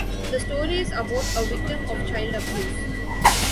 The story is about a victim of child abuse.